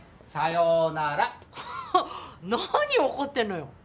何怒ってんのよ。